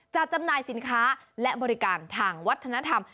จำหน่ายสินค้าและบริการทางวัฒนธรรม